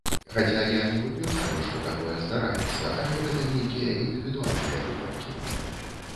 Хаця я не выключаю, што такое здараецца, але гэта нейкія індывідуальныя выпадкі.